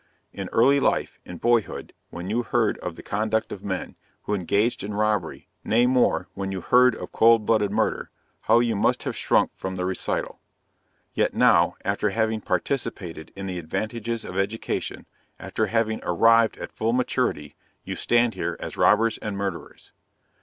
In early life, in boyhood, when you heard of the conduct of men, who engaged in robbery nay more, when you heard of cold blooded murder how you must have shrunk from the recital. Yet now, after having participated in the advantages of education, after having arrived at full maturity, you stand here as robbers and murderers.